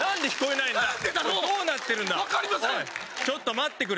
ちょっと待ってくれ。